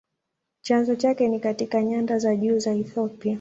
Chanzo chake ni katika nyanda za juu za Ethiopia.